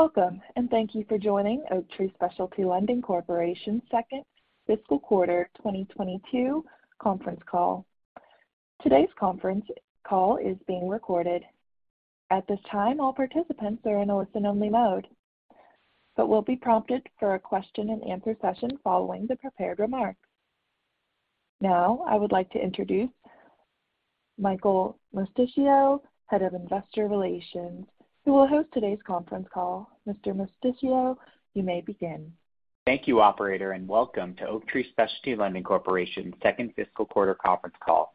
Welcome, and thank you for joining Oaktree Specialty Lending Corporation's second fiscal quarter 2022 conference call. Today's conference call is being recorded. At this time, all participants are in a listen-only mode, but will be prompted for a question-and-answer session following the prepared remarks. Now, I would like to introduce Michael Mosticchio, Head of Investor Relations, who will host today's conference call. Mr. Mosticchio, you may begin. Thank you, operator, and welcome to Oaktree Specialty Lending Corporation's second fiscal quarter conference call.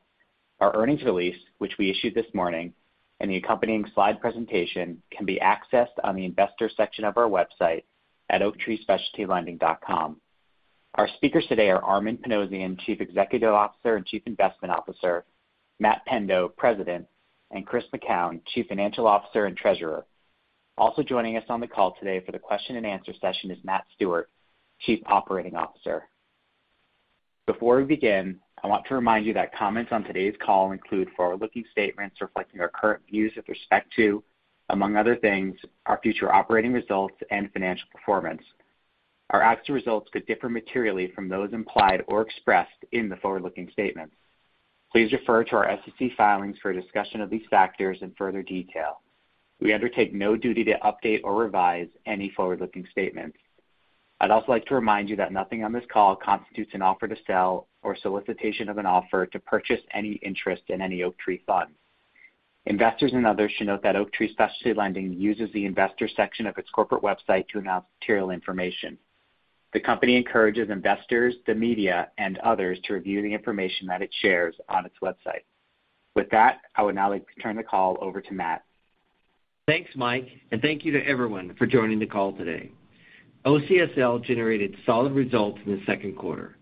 Our earnings release, which we issued this morning, and the accompanying slide presentation can be accessed on the Investors section of our website at oaktreespecialtylending.com. Our speakers today are Armen Panossian, Chief Executive Officer and Chief Investment Officer; Matt Pendo, President; and Chris McKown, Chief Financial Officer and Treasurer. Also joining us on the call today for the question-and-answer session is Matt Stewart, Chief Operating Officer. Before we begin, I want to remind you that comments on today's call include forward-looking statements reflecting our current views with respect to, among other things, our future operating results and financial performance. Our actual results could differ materially from those implied or expressed in the forward-looking statements. Please refer to our SEC filings for a discussion of these factors in further detail. We undertake no duty to update or revise any forward-looking statements. I'd also like to remind you that nothing on this call constitutes an offer to sell or solicitation of an offer to purchase any interest in any Oaktree fund. Investors and others should note that Oaktree Specialty Lending uses the Investors section of its corporate website to announce material information. The company encourages investors, the media, and others to review the information that it shares on its website. With that, I would now like to turn the call over to Matt. Thanks, Mike, and thank you to everyone for joining the call today. OCSL generated solid results in the second quarter.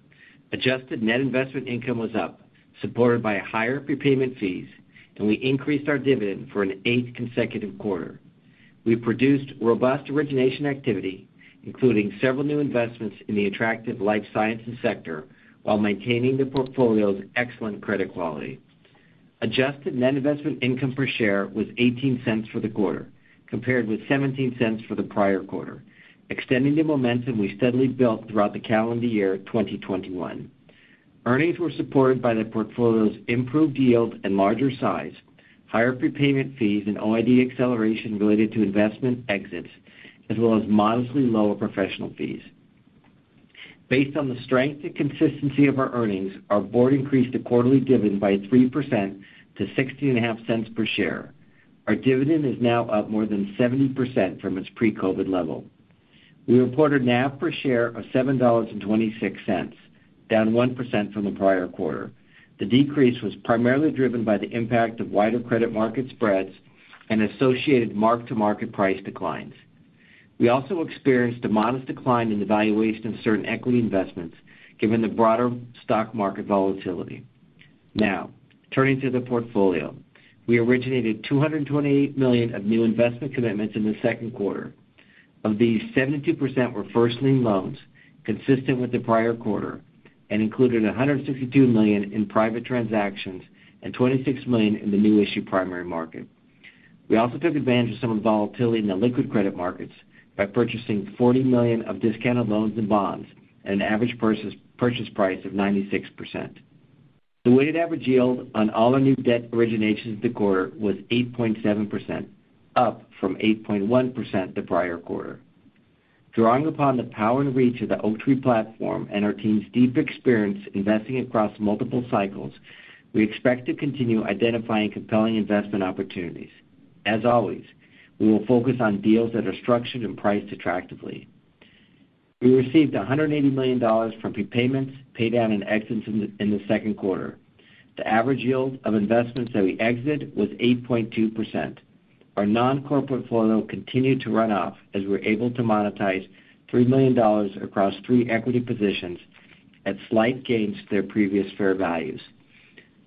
Adjusted net investment income was up, supported by higher prepayment fees, and we increased our dividend for an eighth consecutive quarter. We produced robust origination activity, including several new investments in the attractive life sciences sector while maintaining the portfolio's excellent credit quality. Adjusted net investment income per share was $0.18 for the quarter, compared with $0.17 for the prior quarter, extending the momentum we steadily built throughout the calendar year 2021. Earnings were supported by the portfolio's improved yield and larger size, higher prepayment fees, and OID acceleration related to investment exits, as well as modestly lower professional fees. Based on the strength and consistency of our earnings, our board increased the quarterly dividend by 3% to $0.165 per share. Our dividend is now up more than 70% from its pre-COVID level. We reported NAV per share of $7.26, down 1% from the prior quarter. The decrease was primarily driven by the impact of wider credit market spreads and associated mark-to-market price declines. We also experienced a modest decline in the valuation of certain equity investments given the broader stock market volatility. Now, turning to the portfolio. We originated $228 million of new investment commitments in the second quarter. Of these, 72% were first lien loans, consistent with the prior quarter, and included $162 million in private transactions and $26 million in the new issue primary market. We also took advantage of some volatility in the liquid credit markets by purchasing $40 million of discounted loans and bonds at an average purchase price of 96%. The weighted average yield on all our new debt originations the quarter was 8.7%, up from 8.1% the prior quarter. Drawing upon the power and reach of the Oaktree platform and our team's deep experience investing across multiple cycles, we expect to continue identifying compelling investment opportunities. As always, we will focus on deals that are structured and priced attractively. We received $180 million from prepayments, pay down, and exits in the second quarter. The average yield of investments that we exit was 8.2%. Our non-corporate portfolio continued to run off as we're able to monetize $3 million across three equity positions at slight gains to their previous fair values.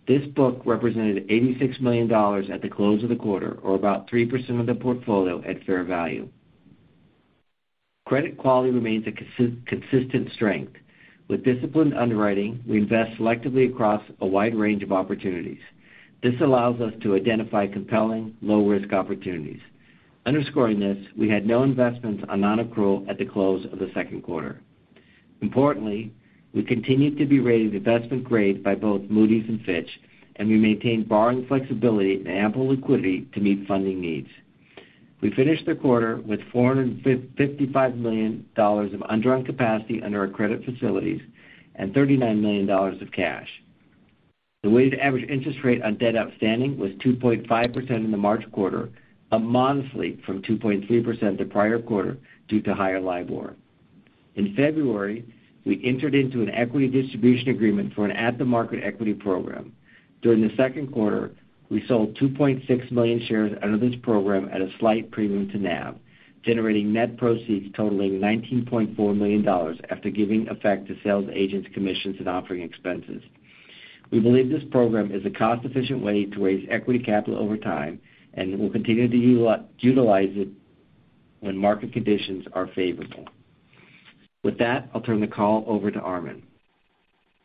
This book represented $86 million at the close of the quarter or about 3% of the portfolio at fair value. Credit quality remains a consistent strength. With disciplined underwriting, we invest selectively across a wide range of opportunities. This allows us to identify compelling low-risk opportunities. Underscoring this, we had no investments on non-accrual at the close of the second quarter. Importantly, we continue to be rated investment grade by both Moody's and Fitch, and we maintain borrowing flexibility and ample liquidity to meet funding needs. We finished the quarter with $455 million of undrawn capacity under our credit facilities and $39 million of cash. The weighted average interest rate on debt outstanding was 2.5% in the March quarter, up modestly from 2.3% the prior quarter due to higher LIBOR. In February, we entered into an equity distribution agreement for an at-the-market equity program. During the second quarter, we sold 2.6 million shares under this program at a slight premium to NAV, generating net proceeds totaling $19.4 million after giving effect to sales agents' commissions and offering expenses. We believe this program is a cost-efficient way to raise equity capital over time, and we'll continue to utilize it when market conditions are favorable. With that, I'll turn the call over to Armen.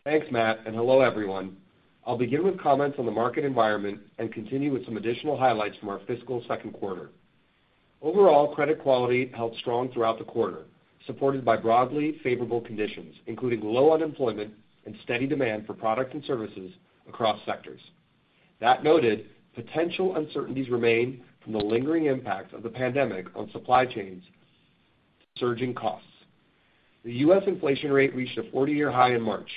Thanks, Matt, and hello, everyone. I'll begin with comments on the market environment and continue with some additional highlights from our fiscal second quarter. Overall, credit quality held strong throughout the quarter, supported by broadly favorable conditions, including low unemployment and steady demand for products and services across sectors. That noted, potential uncertainties remain from the lingering impact of the pandemic on supply chains and surging costs. The U.S. inflation rate reached a 40-year high in March.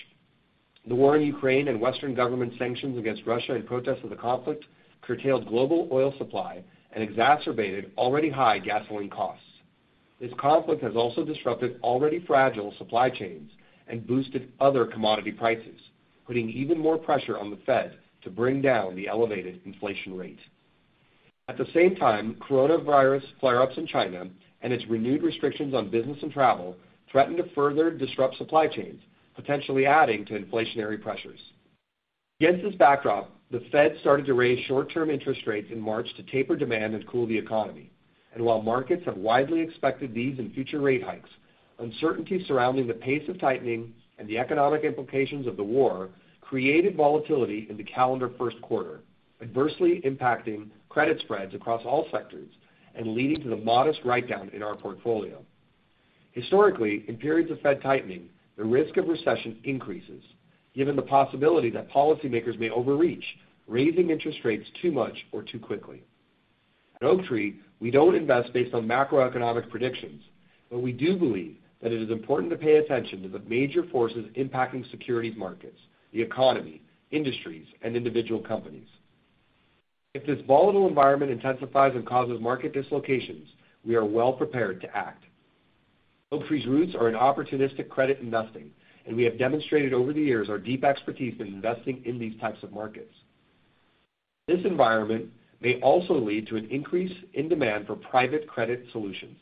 The war in Ukraine and Western government sanctions against Russia in protest of the conflict curtailed global oil supply and exacerbated already high gasoline costs. This conflict has also disrupted already fragile supply chains and boosted other commodity prices, putting even more pressure on the Fed to bring down the elevated inflation rate. At the same time, coronavirus flare-ups in China and its renewed restrictions on business and travel threaten to further disrupt supply chains, potentially adding to inflationary pressures. Against this backdrop, the Fed started to raise short-term interest rates in March to taper demand and cool the economy. While markets have widely expected these and future rate hikes, uncertainty surrounding the pace of tightening and the economic implications of the war created volatility in the calendar first quarter, adversely impacting credit spreads across all sectors and leading to the modest write-down in our portfolio. Historically, in periods of Fed tightening, the risk of recession increases given the possibility that policymakers may overreach, raising interest rates too much or too quickly. At Oaktree, we don't invest based on macroeconomic predictions, but we do believe that it is important to pay attention to the major forces impacting securities markets, the economy, industries, and individual companies. If this volatile environment intensifies and causes market dislocations, we are well prepared to act. Oaktree's roots are in opportunistic credit investing, and we have demonstrated over the years our deep expertise in investing in these types of markets. This environment may also lead to an increase in demand for private credit solutions.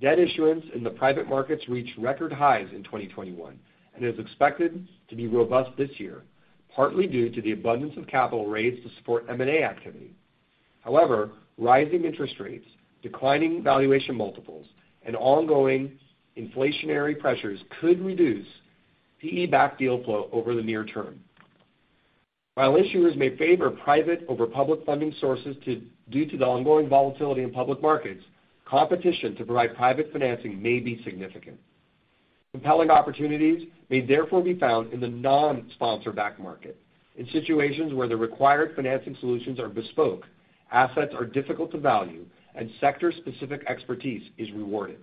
Debt issuance in the private markets reached record highs in 2021 and is expected to be robust this year, partly due to the abundance of capital raised to support M&A activity. However, rising interest rates, declining valuation multiples, and ongoing inflationary pressures could reduce PE-backed deal flow over the near term. While issuers may favor private over public funding sources due to the ongoing volatility in public markets, competition to provide private financing may be significant. Compelling opportunities may therefore be found in the non-sponsor-backed market. In situations where the required financing solutions are bespoke, assets are difficult to value, and sector-specific expertise is rewarded.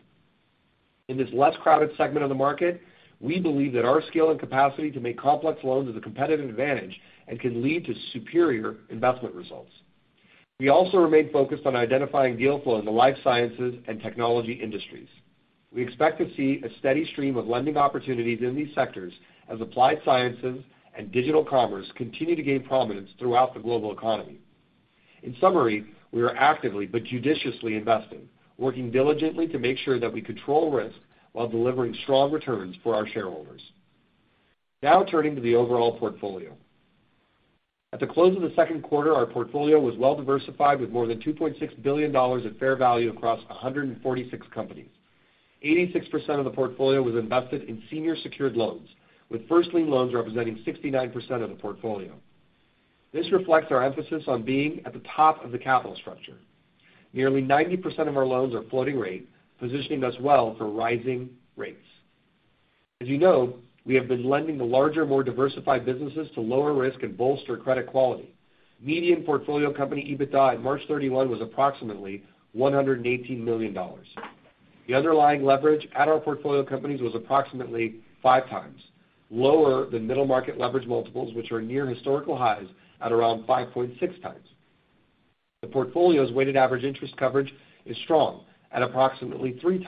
In this less crowded segment of the market, we believe that our scale and capacity to make complex loans is a competitive advantage and can lead to superior investment results. We also remain focused on identifying deal flow in the life sciences and technology industries. We expect to see a steady stream of lending opportunities in these sectors as applied sciences and digital commerce continue to gain prominence throughout the global economy. In summary, we are actively but judiciously investing, working diligently to make sure that we control risk while delivering strong returns for our shareholders. Now turning to the overall portfolio. At the close of the second quarter, our portfolio was well-diversified with more than $2.6 billion at fair value across 146 companies. 86% of the portfolio was invested in senior secured loans, with first lien loans representing 69% of the portfolio. This reflects our emphasis on being at the top of the capital structure. Nearly 90% of our loans are floating rate, positioning us well for rising rates. As you know, we have been lending to larger, more diversified businesses to lower risk and bolster credit quality. Median portfolio company EBITDA at March 31 was approximately $118 million. The underlying leverage at our portfolio companies was approximately 5x lower than middle market leverage multiples, which are near historical highs at around 5.6x. The portfolio's weighted average interest coverage is strong at approximately 3x,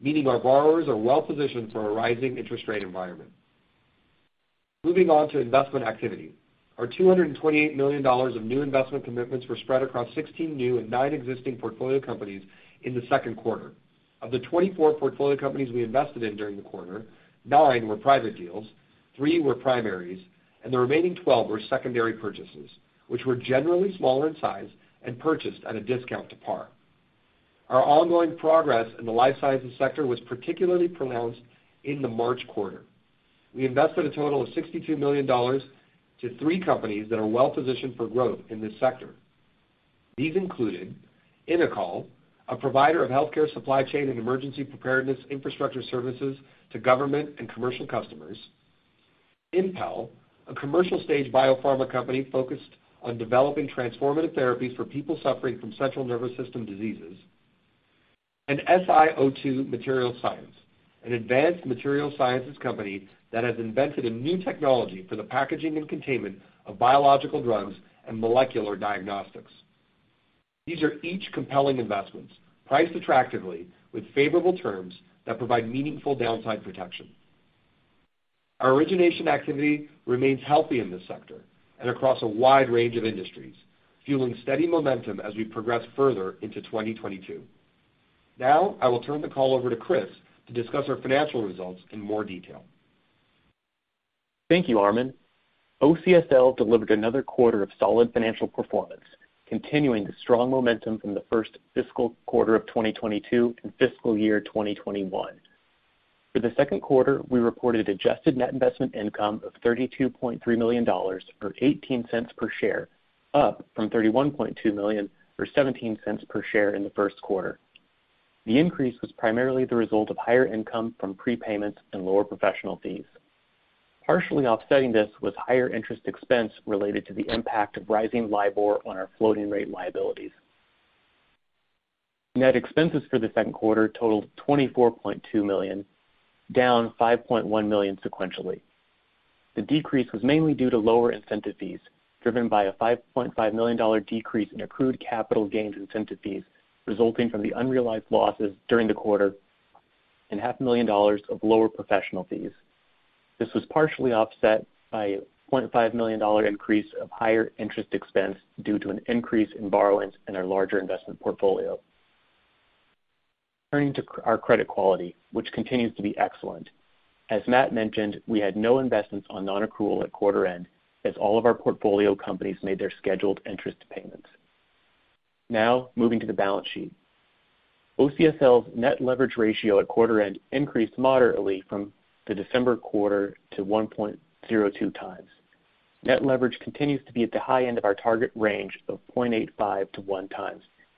meaning our borrowers are well-positioned for a rising interest rate environment. Moving on to investment activity. Our $228 million of new investment commitments were spread across 16 new and 9 existing portfolio companies in the second quarter. Of the 24 portfolio companies we invested in during the quarter, 9 were private deals, 3 were primaries, and the remaining 12 were secondary purchases, which were generally smaller in size and purchased at a discount to par. Our ongoing progress in the life sciences sector was particularly pronounced in the March quarter. We invested a total of $62 million to 3 companies that are well-positioned for growth in this sector. These included Innocoll, a provider of healthcare supply chain and emergency preparedness infrastructure services to government and commercial customers, Impel, a commercial-stage biopharma company focused on developing transformative therapies for people suffering from central nervous system diseases, and SiO2 Materials Science, an advanced materials science company that has invented a new technology for the packaging and containment of biological drugs and molecular diagnostics. These are each compelling investments, priced attractively with favorable terms that provide meaningful downside protection. Our origination activity remains healthy in this sector and across a wide range of industries, fueling steady momentum as we progress further into 2022. Now, I will turn the call over to Chris to discuss our financial results in more detail. Thank you, Armen. OCSL delivered another quarter of solid financial performance, continuing the strong momentum from the first fiscal quarter of 2022 and fiscal year 2021. For the second quarter, we reported adjusted net investment income of $32.3 million, or $0.18 per share, up from $31.2 million or $0.17 per share in the first quarter. The increase was primarily the result of higher income from prepayments and lower professional fees. Partially offsetting this was higher interest expense related to the impact of rising LIBOR on our floating rate liabilities. Net expenses for the second quarter totaled $24.2 million, down $5.1 million sequentially. The decrease was mainly due to lower incentive fees, driven by a $5.5 million decrease in accrued capital gains incentive fees resulting from the unrealized losses during the quarter and half a million dollars of lower professional fees. This was partially offset by a $0.5 million increase of higher interest expense due to an increase in borrowings in our larger investment portfolio. Turning to our credit quality, which continues to be excellent. As Matt mentioned, we had no investments on non-accrual at quarter end as all of our portfolio companies made their scheduled interest payments. Now moving to the balance sheet. OCSL's net leverage ratio at quarter end increased moderately from the December quarter to 1.02 times. Net leverage continues to be at the high end of our target range of 0.85x to 1x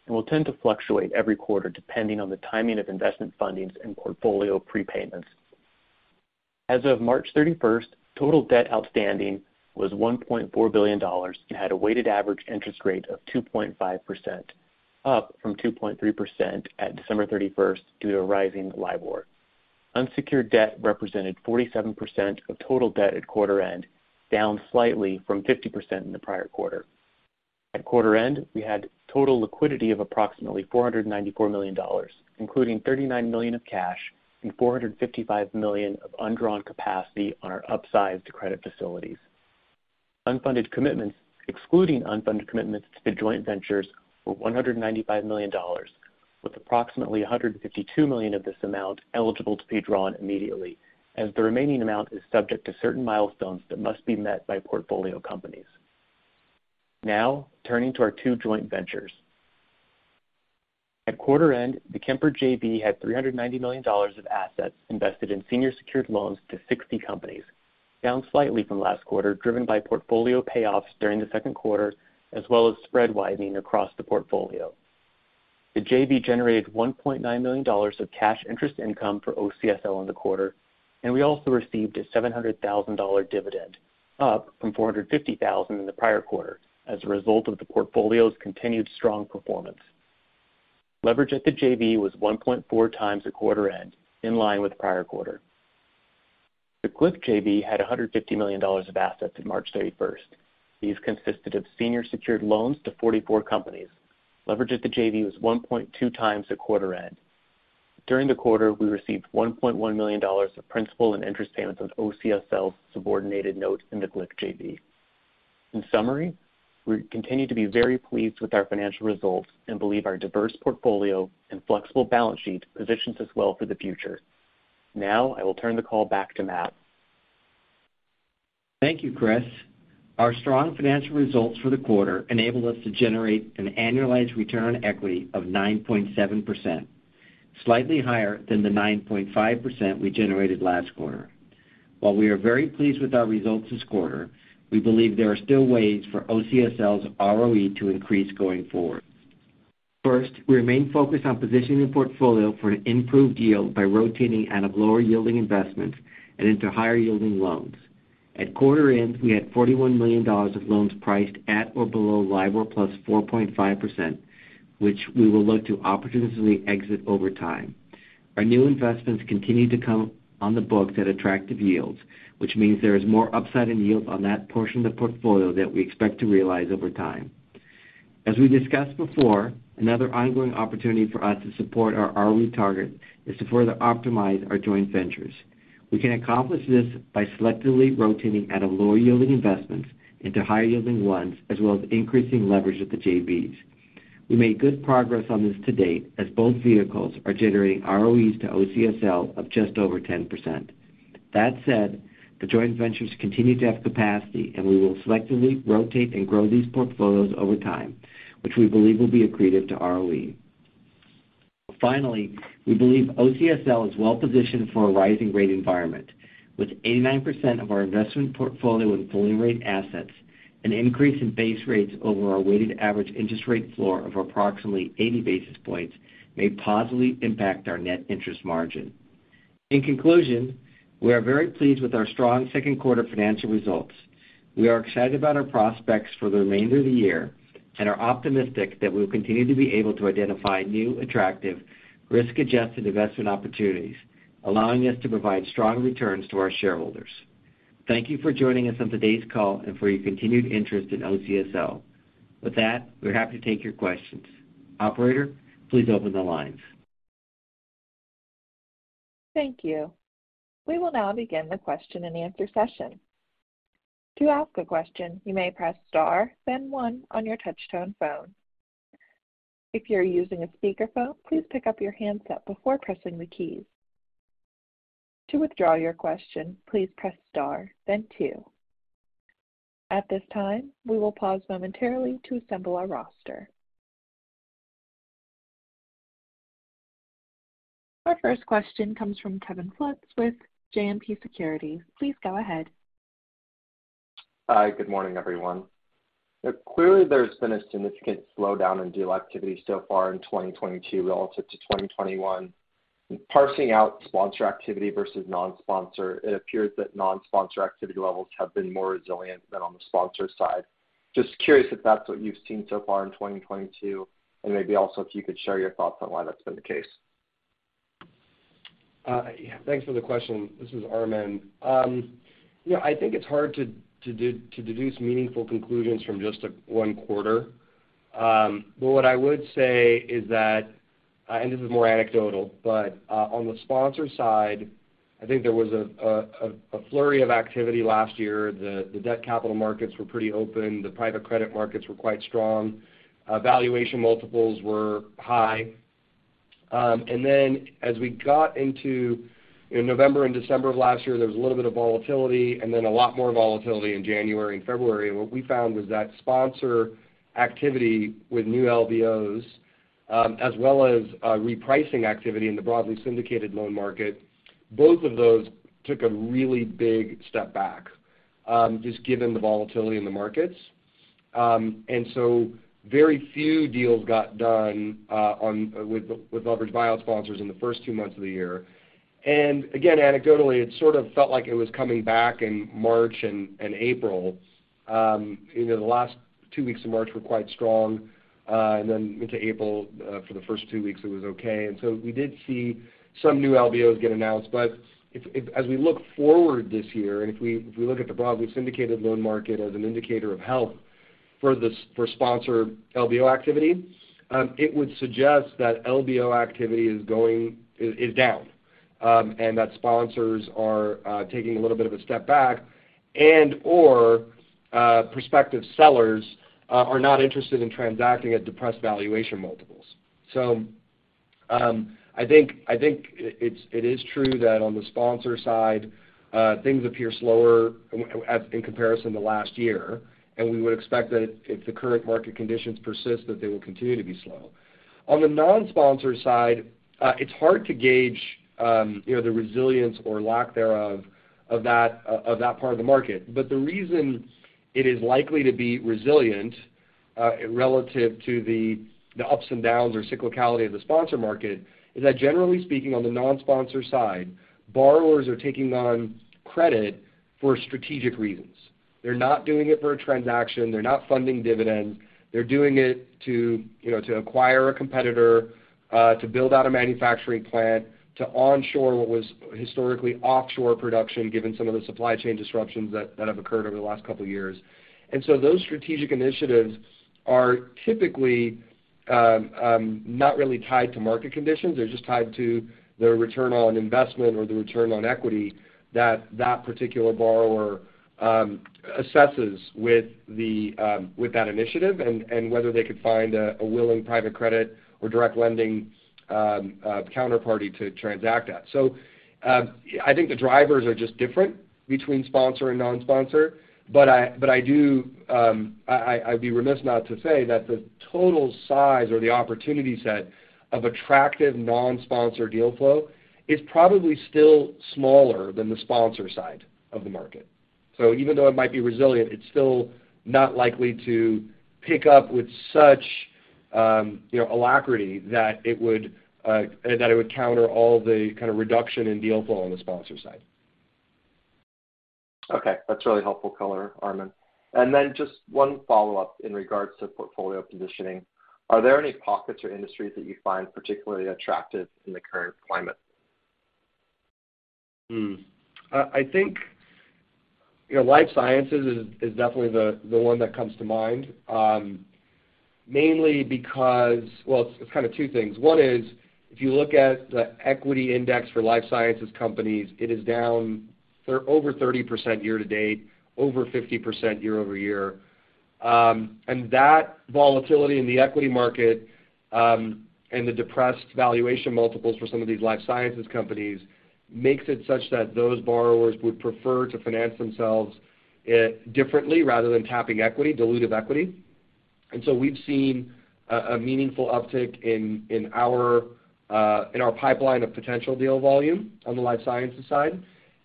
and will tend to fluctuate every quarter depending on the timing of investment fundings and portfolio prepayments. As of March 31, total debt outstanding was $1.4 billion and had a weighted average interest rate of 2.5%, up from 2.3% at December 31 due to rising LIBOR. Unsecured debt represented 47% of total debt at quarter end, down slightly from 50% in the prior quarter. At quarter end, we had total liquidity of approximately $494 million, including $39 million of cash and $455 million of undrawn capacity on our upsized credit facilities. Unfunded commitments, excluding unfunded commitments to joint ventures, were $195 million, with approximately $152 million of this amount eligible to be drawn immediately as the remaining amount is subject to certain milestones that must be met by portfolio companies. Now turning to our two joint ventures. At quarter end, the Kemper JV had $390 million of assets invested in senior secured loans to 60 companies, down slightly from last quarter, driven by portfolio payoffs during the second quarter as well as spread widening across the portfolio. The JV generated $1.9 million of cash interest income for OCSL in the quarter, and we also received a $700,000 dividend, up from $450,000 in the prior quarter as a result of the portfolio's continued strong performance. Leverage at the JV was 1.4 times at quarter-end, in line with prior quarter. The Glick JV had $150 million of assets at March 31. These consisted of senior secured loans to 44 companies. Leverage at the JV was 1.2 times at quarter-end. During the quarter, we received $1.1 million of principal and interest payments on OCSL's subordinated note in the Glick JV. In summary, we continue to be very pleased with our financial results and believe our diverse portfolio and flexible balance sheet positions us well for the future. Now I will turn the call back to Matt. Thank you, Chris. Our strong financial results for the quarter enabled us to generate an annualized return on equity of 9.7%, slightly higher than the 9.5% we generated last quarter. While we are very pleased with our results this quarter, we believe there are still ways for OCSL's ROE to increase going forward. First, we remain focused on positioning the portfolio for an improved yield by rotating out of lower-yielding investments and into higher-yielding loans. At quarter end, we had $41 million of loans priced at or below LIBOR plus 4.5%, which we will look to opportunistically exit over time. Our new investments continue to come on the books at attractive yields, which means there is more upside in yield on that portion of the portfolio that we expect to realize over time. As we discussed before, another ongoing opportunity for us to support our ROE target is to further optimize our joint ventures. We can accomplish this by selectively rotating out of lower-yielding investments into higher-yielding ones, as well as increasing leverage at the JVs. We made good progress on this to date as both vehicles are generating ROEs to OCSL of just over 10%. That said, the joint ventures continue to have capacity, and we will selectively rotate and grow these portfolios over time, which we believe will be accretive to ROE. Finally, we believe OCSL is well positioned for a rising rate environment. With 89% of our investment portfolio in floating rate assets, an increase in base rates over our weighted average interest rate floor of approximately 80 basis points may positively impact our net interest margin. In conclusion, we are very pleased with our strong second quarter financial results. We are excited about our prospects for the remainder of the year and are optimistic that we'll continue to be able to identify new, attractive, risk-adjusted investment opportunities, allowing us to provide strong returns to our shareholders. Thank you for joining us on today's call and for your continued interest in OCSL. With that, we're happy to take your questions. Operator, please open the lines. Thank you. We will now begin the question-and-answer session. To ask a question, you may press star then one on your touch-tone phone. If you're using a speakerphone, please pick up your handset before pressing the keys. To withdraw your question, please press star then two. At this time, we will pause momentarily to assemble our roster. Our first question comes from Kevin Fultz with JMP Securities. Please go ahead. Hi. Good morning, everyone. Clearly, there's been a significant slowdown in deal activity so far in 2022 relative to 2021. Parsing out sponsor activity versus non-sponsor, it appears that non-sponsor activity levels have been more resilient than on the sponsor side. Just curious if that's what you've seen so far in 2022, and maybe also if you could share your thoughts on why that's been the case. Yeah, thanks for the question. This is Armen. Yeah, I think it's hard to deduce meaningful conclusions from just one quarter. But what I would say is that, and this is more anecdotal, but, on the sponsor side, I think there was a flurry of activity last year. The debt capital markets were pretty open. The private credit markets were quite strong. Valuation multiples were high. And then as we got into November and December of last year, there was a little bit of volatility and then a lot more volatility in January and February. What we found was that sponsor activity with new LBOs, as well as, repricing activity in the broadly syndicated loan market, both of those took a really big step back, just given the volatility in the markets. Very few deals got done with leveraged buyout sponsors in the first two months of the year. Again, anecdotally, it sort of felt like it was coming back in March and April. You know, the last two weeks of March were quite strong, and then into April, for the first two weeks it was okay. We did see some new LBOs get announced. If, as we look forward this year, and if we look at the broadly syndicated loan market as an indicator of health for sponsor LBO activity, it would suggest that LBO activity is down, and that sponsors are taking a little bit of a step back and/or prospective sellers are not interested in transacting at depressed valuation multiples. I think it is true that on the sponsor side, things appear slower in comparison to last year, and we would expect that if the current market conditions persist, that they will continue to be slow. On the non-sponsor side, it's hard to gauge, you know, the resilience or lack thereof of that part of the market. The reason it is likely to be resilient relative to the ups and downs or cyclicality of the sponsor market is that generally speaking, on the non-sponsor side, borrowers are taking on credit for strategic reasons. They're not doing it for a transaction. They're not funding dividends. They're doing it to, you know, to acquire a competitor, to build out a manufacturing plant, to onshore what was historically offshore production, given some of the supply chain disruptions that have occurred over the last couple of years. Those strategic initiatives are typically not really tied to market conditions. They're just tied to the return on investment or the return on equity that that particular borrower assesses with that initiative and whether they could find a willing private credit or direct lending counterparty to transact at. I think the drivers are just different between sponsor and non-sponsor. I'd be remiss not to say that the total size or the opportunity set of attractive non-sponsor deal flow is probably still smaller than the sponsor side of the market. Even though it might be resilient, it's still not likely to pick up with such, you know, alacrity that it would counter all the kind of reduction in deal flow on the sponsor side. Okay, that's really helpful color, Armen. Just one follow-up in regards to portfolio positioning. Are there any pockets or industries that you find particularly attractive in the current climate? I think, you know, life sciences is definitely the one that comes to mind, mainly because. Well, it's kind of two things. One is, if you look at the equity index for life sciences companies, it is down over 30% year to date, over 50% year-over-year. And that volatility in the equity market, and the depressed valuation multiples for some of these life sciences companies makes it such that those borrowers would prefer to finance themselves differently rather than tapping equity, dilutive equity. We've seen a meaningful uptick in our pipeline of potential deal volume on the life sciences side.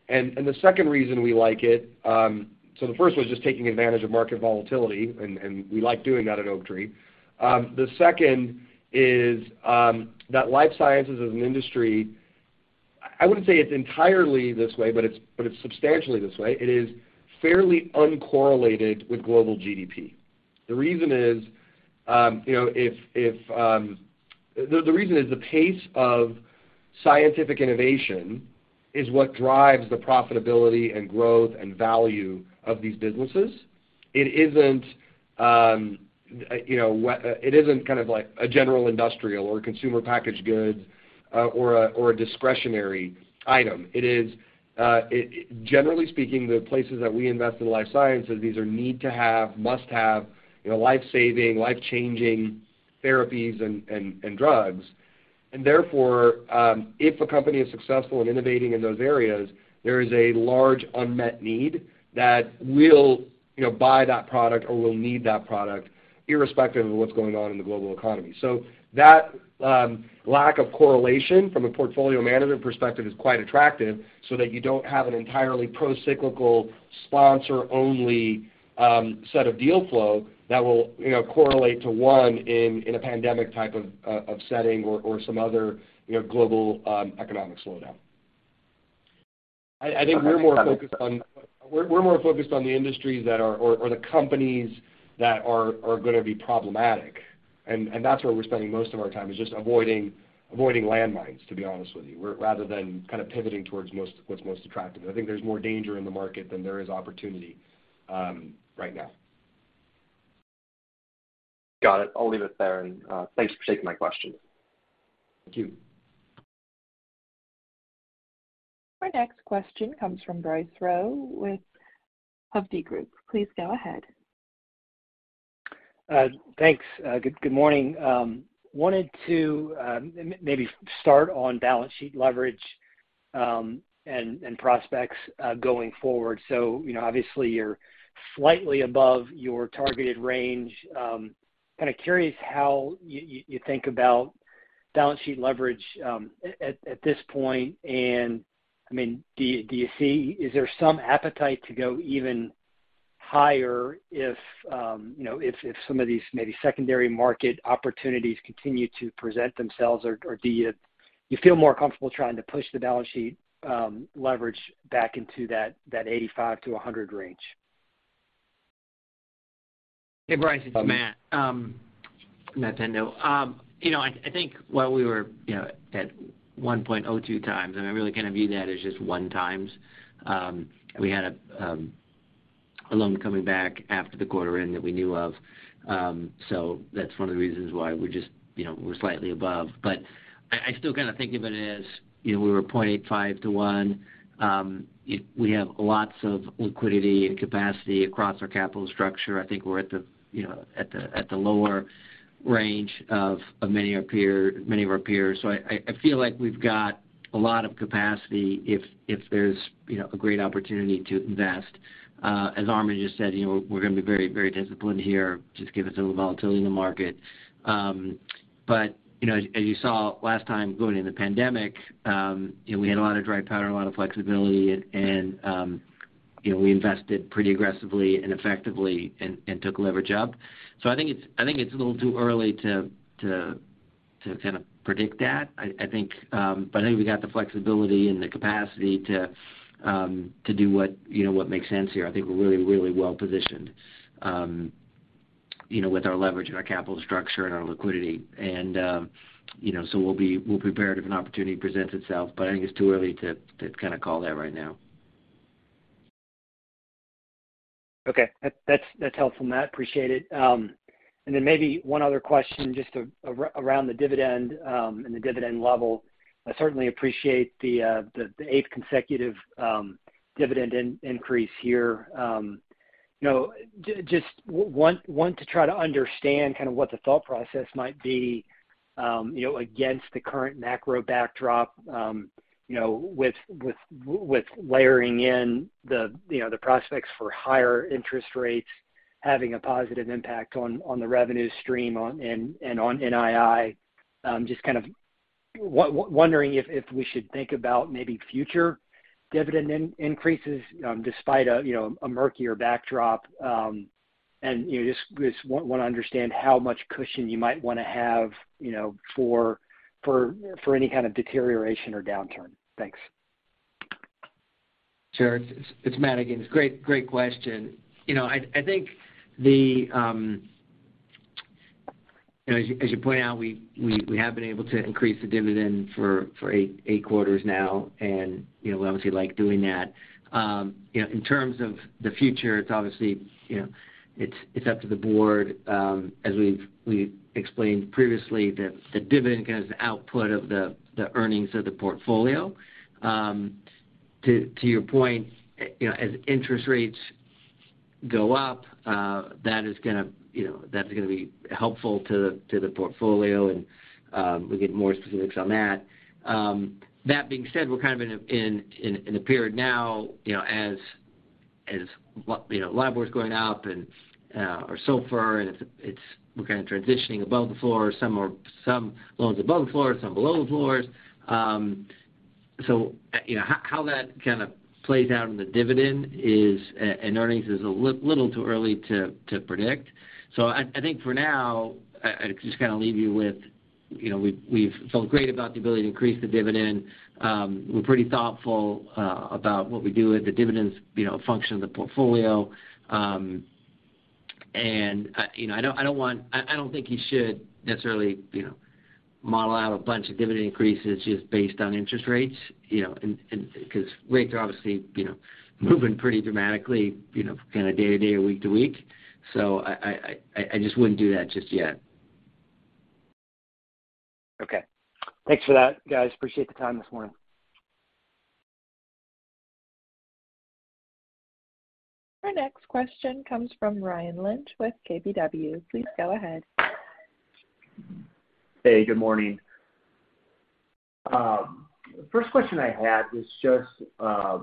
And the second reason we like it, so the first was just taking advantage of market volatility and we like doing that at Oaktree. The second is that life sciences as an industry, I wouldn't say it's entirely this way, but it's substantially this way. It is fairly uncorrelated with global GDP. The reason is you know, the pace of scientific innovation is what drives the profitability and growth and value of these businesses. It isn't you know, it isn't kind of like a general industrial or consumer packaged goods, or a discretionary item. It is generally speaking, the places that we invest in life sciences, these are need to have, must have, you know, life-saving, life-changing therapies and drugs. Therefore, if a company is successful in innovating in those areas, there is a large unmet need that will, you know, buy that product or will need that product irrespective of what's going on in the global economy. That lack of correlation from a portfolio management perspective is quite attractive so that you don't have an entirely procyclical sponsor-only set of deal flow that will, you know, correlate to one in a pandemic type of setting or some other, you know, global economic slowdown. I think we're more focused on the industries that are, or the companies that are gonna be problematic. That's where we're spending most of our time, is just avoiding landmines, to be honest with you. Rather than kind of pivoting towards what's most attractive. I think there's more danger in the market than there is opportunity, right now. Got it. I'll leave it there, and, thanks for taking my questions. Thank you. Our next question comes from Bryce Rowe with Hovde Group. Please go ahead. Thanks. Good morning. Wanted to maybe start on balance sheet leverage and prospects going forward. You know, obviously you're slightly above your targeted range. Kinda curious how you think about balance sheet leverage at this point. I mean, is there some appetite to go even higher if you know, if some of these maybe secondary market opportunities continue to present themselves? Or do you feel more comfortable trying to push the balance sheet leverage back into that 85-100 range? Hey, Bryce, it's Matt Pendo. You know, I think while we were at 1.02x, and I really kinda view that as just 1x, we had a loan coming back after the quarter end that we knew of. So that's one of the reasons why we just, you know, we're slightly above. But I still kinda think of it as, you know, we were 0.85-1. We have lots of liquidity and capacity across our capital structure. I think we're at the lower range of many of our peers. So I feel like we've got a lot of capacity if there's a great opportunity to invest. As Armen just said, you know, we're gonna be very, very disciplined here, just given some of the volatility in the market. You know, as you saw last time going in the pandemic, you know, we had a lot of dry powder and a lot of flexibility and, you know, we invested pretty aggressively and effectively and took leverage up. I think it's a little too early to kind of predict that. I think, but I think we got the flexibility and the capacity to do what, you know, what makes sense here. I think we're really, really well positioned, you know, with our leverage and our capital structure and our liquidity. You know, so we'll be prepared if an opportunity presents itself, but I think it's too early to kinda call that right now. Okay. That's helpful, Matt. Appreciate it. And then maybe one other question just around the dividend, and the dividend level. I certainly appreciate the eighth consecutive dividend increase here. You know, just want to try to understand kind of what the thought process might be, you know, against the current macro backdrop, you know, with layering in the, you know, the prospects for higher interest rates having a positive impact on the revenue stream and on NII. Just kind of wondering if we should think about maybe future dividend increases, despite a, you know, a murkier backdrop. And, you know, just want to understand how much cushion you might want to have, you know, for any kind of deterioration or downturn. Thanks. Sure. It's Matt again. It's a great question. You know, I think the, you know, as you point out, we have been able to increase the dividend for eight quarters now, and, you know, we obviously like doing that. You know, in terms of the future, it's obviously, you know, it's up to the board. As we've explained previously that the dividend is output of the earnings of the portfolio. To your point, you know, as interest rates go up, that is gonna, you know, that's gonna be helpful to the portfolio and, we'll get more specifics on that. That being said, we're kind of in a period now, you know, as LIBOR is going up or SOFR, and we're kind of transitioning above the floor. Some loans above the floor, some below the floors. You know, how that kind of plays out in the dividend and earnings is a little too early to predict. I think for now, I'd just kinda leave you with, you know, we've felt great about the ability to increase the dividend. We're pretty thoughtful about what we do with the dividends, you know, function of the portfolio. You know, I don't think you should necessarily, you know, model out a bunch of dividend increases just based on interest rates, you know, and 'cause rates are obviously, you know, moving pretty dramatically, you know, kinda day to day or week to week. So I just wouldn't do that just yet. Okay. Thanks for that, guys. Appreciate the time this morning. Our next question comes from Ryan Lynch with KBW. Please go ahead. Hey, good morning. First question I had is just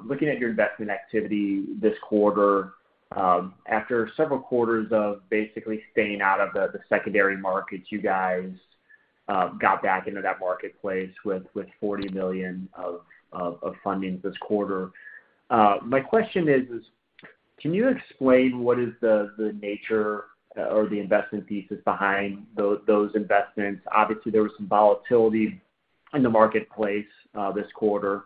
looking at your investment activity this quarter, after several quarters of basically staying out of the secondary markets, you guys got back into that marketplace with $40 million of funding this quarter. My question is, can you explain what is the nature or the investment thesis behind those investments? Obviously, there was some volatility in the marketplace this quarter.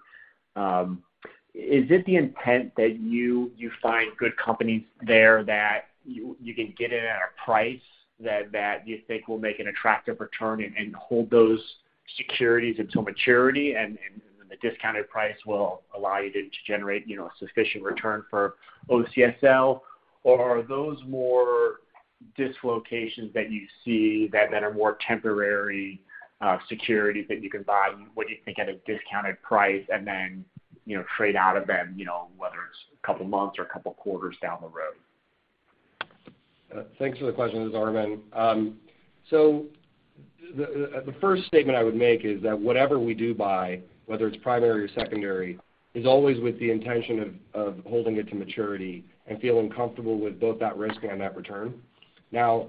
Is it the intent that you find good companies there that you can get in at a price that you think will make an attractive return and hold those securities until maturity, and the discounted price will allow you to generate, you know, sufficient return for OCSL? Are those more dislocations that you see that are more temporary, securities that you can buy what you think at a discounted price, and then, you know, trade out of them, you know, whether it's a couple months or a couple quarters down the road? Thanks for the question, this is Armen. So the first statement I would make is that whatever we do buy, whether it's primary or secondary, is always with the intention of holding it to maturity and feeling comfortable with both that risk and that return. Now,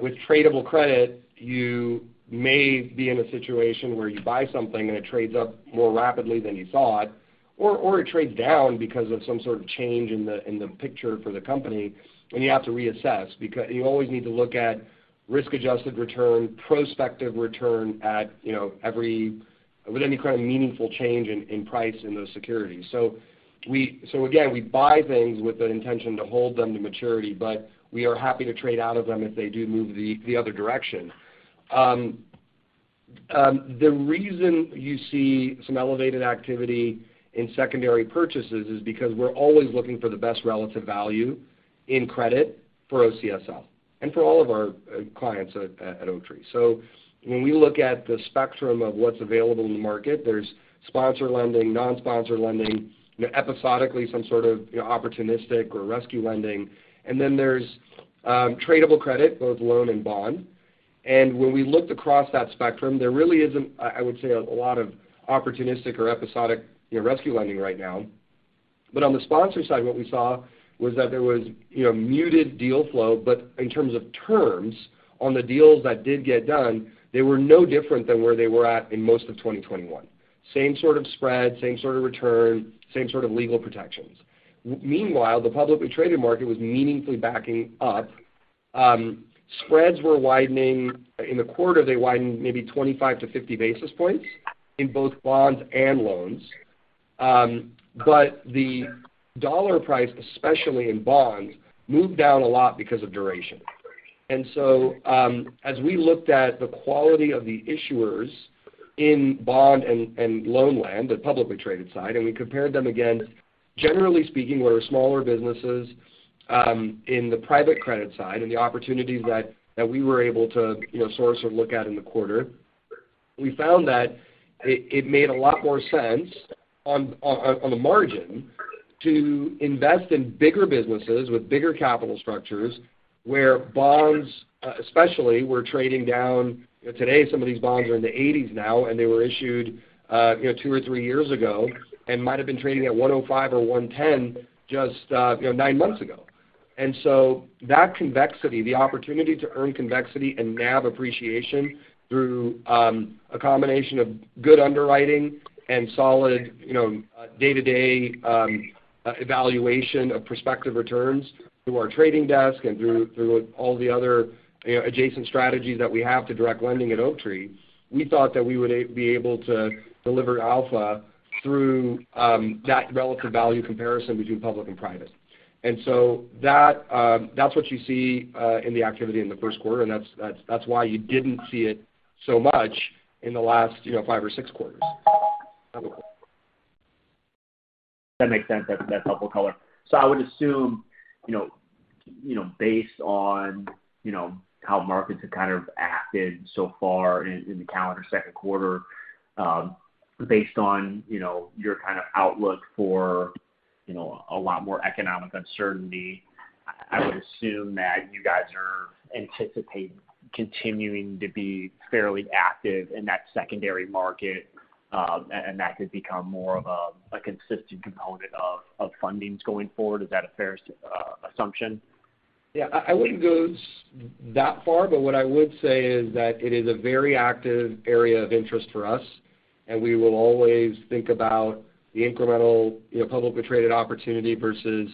with tradable credit, you may be in a situation where you buy something, and it trades up more rapidly than you thought or it trades down because of some sort of change in the picture for the company, and you have to reassess. You always need to look at risk-adjusted return, prospective return at, you know, with any kind of meaningful change in price in those securities. Again, we buy things with an intention to hold them to maturity, but we are happy to trade out of them if they do move the other direction. The reason you see some elevated activity in secondary purchases is because we're always looking for the best relative value in credit for OCSL and for all of our clients at Oaktree. When we look at the spectrum of what's available in the market, there's sponsor lending, non-sponsor lending, you know, episodically some sort of, you know, opportunistic or rescue lending. Then there's tradable credit, both loan and bond. When we looked across that spectrum, there really isn't, I would say, a lot of opportunistic or episodic, you know, rescue lending right now. On the sponsor side, what we saw was that there was, you know, muted deal flow. In terms of terms on the deals that did get done, they were no different than where they were at in most of 2021. Same sort of spread, same sort of return, same sort of legal protections. Meanwhile, the publicly traded market was meaningfully backing up. Spreads were widening. In the quarter, they widened maybe 25-50 basis points in both bonds and loans. The dollar price, especially in bonds, moved down a lot because of duration. As we looked at the quality of the issuers in bond and loan land, the publicly traded side, and we compared them again, generally speaking, where smaller businesses in the private credit side and the opportunities that we were able to, you know, source or look at in the quarter, we found that it made a lot more sense on a margin to invest in bigger businesses with bigger capital structures, where bonds, especially, were trading down. You know, today some of these bonds are in the eighties now, and they were issued, you know, two or three years ago, and might have been trading at 105 or 110 just, you know, nine months ago. That convexity, the opportunity to earn convexity and NAV appreciation through a combination of good underwriting and solid, you know, day-to-day evaluation of prospective returns through our trading desk and through all the other, you know, adjacent strategies that we have to direct lending at Oaktree, we thought that we would be able to deliver alpha through that relative value comparison between public and private. That, that's what you see in the activity in the first quarter, and that's why you didn't see it so much in the last, you know, five or six quarters. That makes sense. That's helpful color. I would assume, you know, based on, you know, how markets have kind of acted so far in the calendar second quarter, based on, you know, your kind of outlook for, you know, a lot more economic uncertainty, I would assume that you guys are anticipate continuing to be fairly active in that secondary market, and that could become more of a consistent component of fundings going forward. Is that a fair assumption? Yeah. I wouldn't go that far, but what I would say is that it is a very active area of interest for us, and we will always think about the incremental, you know, publicly traded opportunity versus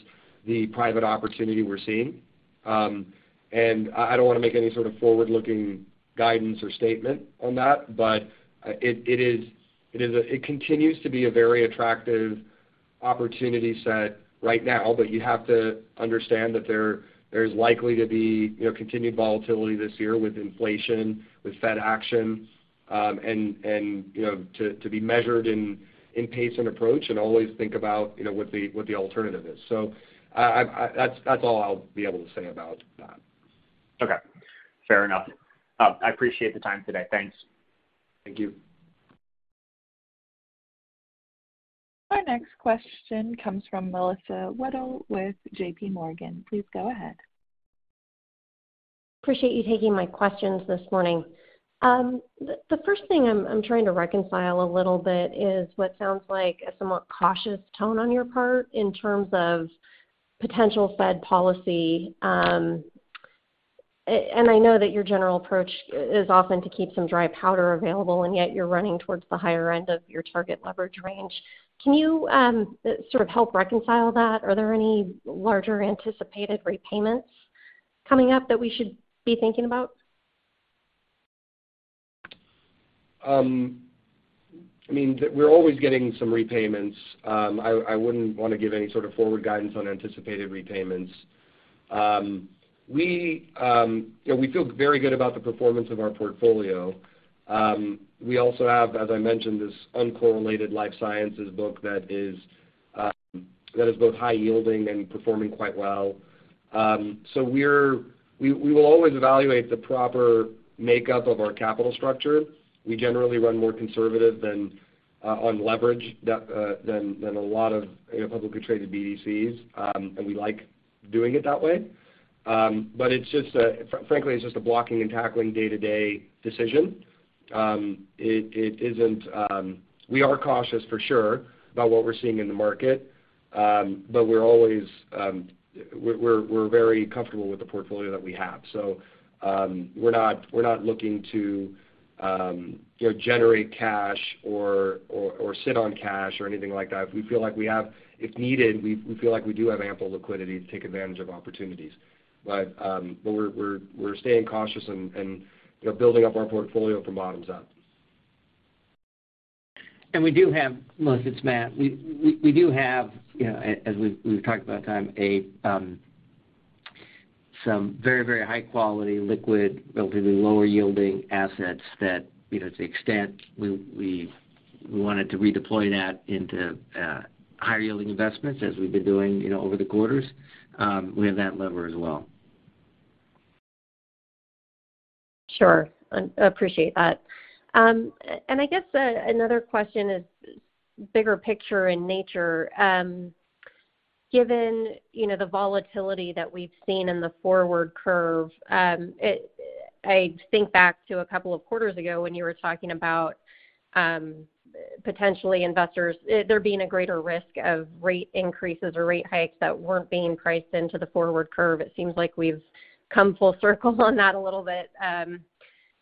the private opportunity we're seeing. I don't wanna make any sort of forward-looking guidance or statement on that, but it is a very attractive opportunity set right now, but you have to understand that there's likely to be, you know, continued volatility this year with inflation, with Fed action, and you know, to be measured in pace and approach and always think about, you know, what the alternative is. I-- that's all I'll be able to say about that. Okay. Fair enough. I appreciate the time today. Thanks. Thank you. Our next question comes from Melissa Weddle with JPMorgan. Please go ahead. Appreciate you taking my questions this morning. The first thing I'm trying to reconcile a little bit is what sounds like a somewhat cautious tone on your part in terms of potential Fed policy. I know that your general approach is often to keep some dry powder available, and yet you're running towards the higher end of your target leverage range. Can you sort of help reconcile that? Are there any larger anticipated repayments coming up that we should be thinking about? I mean, we're always getting some repayments. I wouldn't wanna give any sort of forward guidance on anticipated repayments. You know, we feel very good about the performance of our portfolio. We also have, as I mentioned, this uncorrelated life sciences book that is both high yielding and performing quite well. We will always evaluate the proper makeup of our capital structure. We generally run more conservative than on leverage that than a lot of, you know, publicly traded BDCs, and we like doing it that way. But frankly, it's just a blocking and tackling day-to-day decision. It isn't. We are cautious for sure about what we're seeing in the market, but we're always very comfortable with the portfolio that we have. We're not looking to, you know, generate cash or sit on cash or anything like that. If needed, we feel like we do have ample liquidity to take advantage of opportunities. We're staying cautious and, you know, building up our portfolio from bottom up. Melissa, it's Matt. We do have, you know, as we've talked about over time, some very, very high quality liquid, relatively lower yielding assets that, you know, to the extent we wanted to redeploy that into higher yielding investments as we've been doing, you know, over the quarters. We have that lever as well. Sure. Appreciate that. I guess another question is bigger picture in nature. Given you know the volatility that we've seen in the forward curve I think back to a couple of quarters ago when you were talking about potentially investors there being a greater risk of rate increases or rate hikes that weren't being priced into the forward curve. It seems like we've come full circle on that a little bit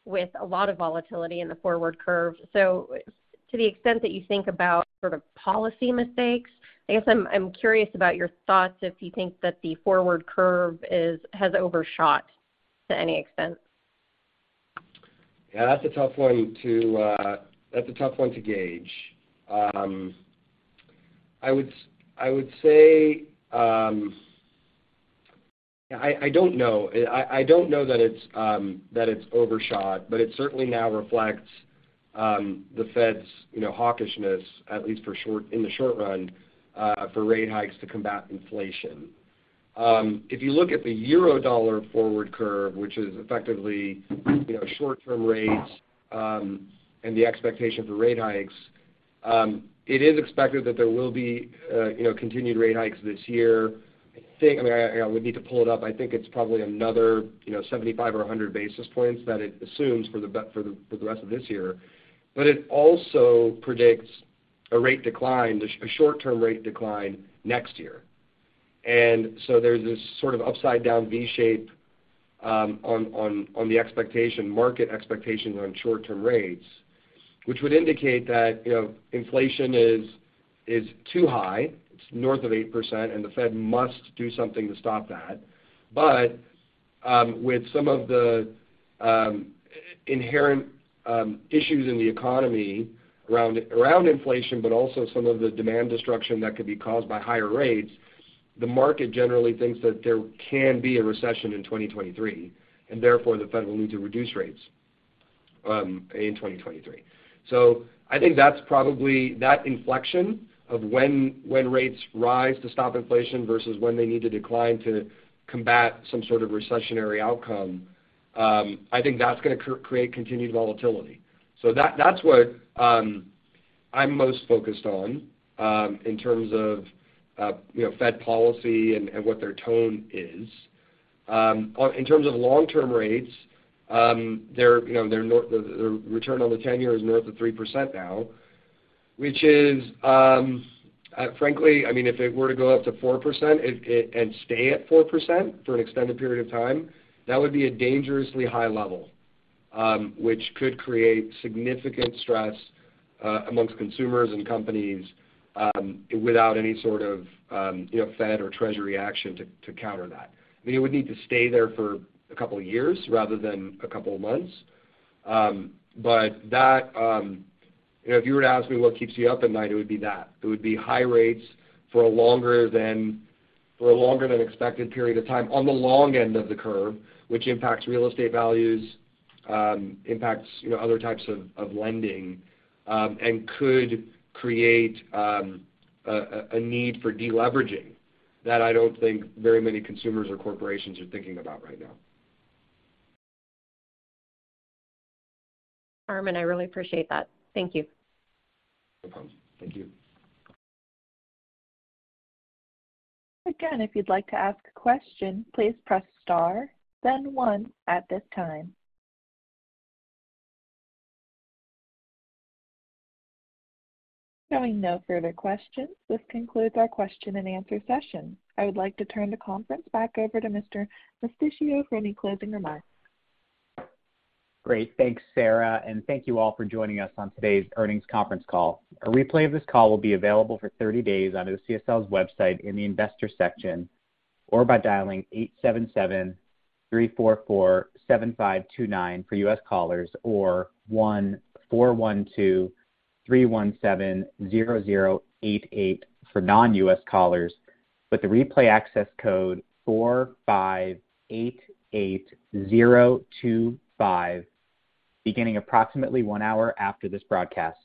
with a lot of volatility in the forward curve. To the extent that you think about sort of policy mistakes I guess I'm curious about your thoughts if you think that the forward curve has overshot to any extent. Yeah, that's a tough one to gauge. I would say, I don't know. I don't know that it's overshot, but it certainly now reflects the Fed's, you know, hawkishness, at least in the short run, for rate hikes to combat inflation. If you look at the Eurodollar forward curve, which is effectively, you know, short-term rates, and the expectation for rate hikes, it is expected that there will be, you know, continued rate hikes this year. I think I mean, I would need to pull it up. I think it's probably another, you know, 75 or 100 basis points that it assumes for the rest of this year. It also predicts a rate decline, a short-term rate decline next year. There's this sort of upside down V shape on the expectation, market expectation on short-term rates, which would indicate that, you know, inflation is too high, it's north of 8%, and the Fed must do something to stop that. With some of the inherent issues in the economy around inflation, but also some of the demand destruction that could be caused by higher rates, the market generally thinks that there can be a recession in 2023, and therefore the Fed will need to reduce rates in 2023. I think that's probably that inflection of when rates rise to stop inflation versus when they need to decline to combat some sort of recessionary outcome. I think that's gonna create continued volatility. That's what I'm most focused on in terms of you know Fed policy and what their tone is. In terms of long-term rates you know the return on the 10-year is north of 3% now, which is frankly I mean if it were to go up to 4% and stay at 4% for an extended period of time that would be a dangerously high level which could create significant stress among consumers and companies without any sort of you know Fed or Treasury action to counter that. I mean it would need to stay there for a couple of years rather than a couple of months. You know, if you were to ask me what keeps me up at night, it would be that. It would be high rates for a longer than expected period of time on the long end of the curve, which impacts real estate values, impacts, you know, other types of lending, and could create a need for deleveraging that I don't think very many consumers or corporations are thinking about right now. Armen, I really appreciate that. Thank you. No problem. Thank you. Again, if you'd like to ask a question, please press star then one at this time. Seeing no further questions, this concludes our question and answer session. I would like to turn the conference back over to Mr. Mosticchio for any closing remarks. Great. Thanks, Sarah, and thank you all for joining us on today's earnings conference call. A replay of this call will be available for 30 days on OCSL's website in the investor section, or by dialing 877-344-7529 for U.S. callers, or 1-412-317-0088 for non-U.S. callers, with the replay access code 458-8025, beginning approximately 1 hour after this broadcast.